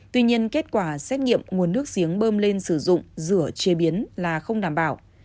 tuy nhiên kết quả xét nghiệm nguồn nước giếng bơm lên sử dụng rửa chế biến là không đảm bảo